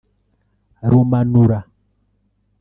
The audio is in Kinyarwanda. Rumanura